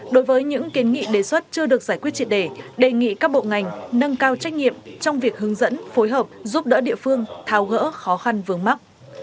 đối với những kiến nghị đề xuất chưa được giải quyết triệt đề đề nghị các bộ ngành nâng cao trách nhiệm trong việc hướng dẫn phối hợp giúp đỡ địa phương tháo gỡ khó khăn vướng mắt